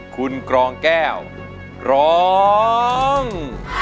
คุณกรองแก้วร้อง